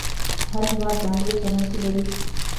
هر هېواد ځانګړې کرنسي لري.